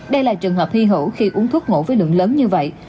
đây là trường hợp thi hữu khi uống thuốc ngủ với lượng lớn như vậy